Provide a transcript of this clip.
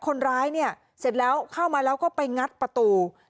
คนร้ายเนี่ยเสร็จแล้วเข้ามาแล้วก็ไปงัดประตู